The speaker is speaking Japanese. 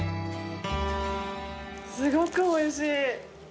すごくおいしい。